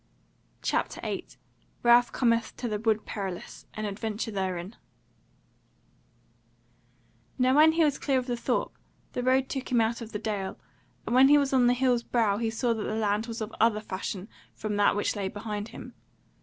CHAPTER 8 Ralph Cometh to the Wood Perilous. An Adventure Therein Now when he was clear of the Thorp the road took him out of the dale; and when he was on the hill's brow he saw that the land was of other fashion from that which lay behind him.